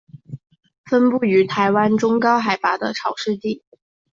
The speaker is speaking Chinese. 分布于台湾中高海拔的潮湿地。